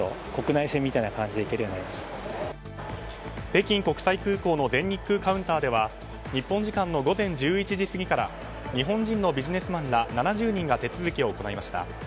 北京国際空港の全日空カウンターでは日本時間の午前１１時過ぎから日本人のビジネスマンら７０人が手続きを行いました。